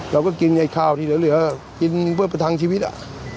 เราก็กินไอ้ข้าวที่เหลือกินเพื่อประทังชีวิตอ่ะ